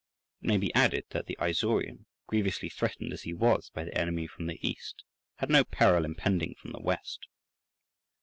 It may be added that the Isaurian, grievously threatened as he was by the enemy from the East, had no peril impending from the West.